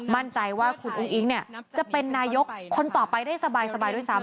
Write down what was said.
มั่นใจว่าคุณอุ้งอิ๊งจะเป็นนายกคนต่อไปได้สบายด้วยซ้ำ